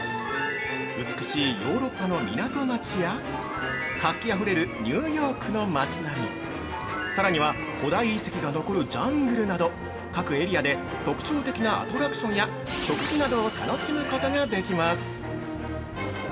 美しいヨーロッパの港町や活気あふれるニューヨークの街並み、さらには古代遺跡が残るジャングルなど、各エリアで特徴的なアトラクションや食事などを楽しむことができます。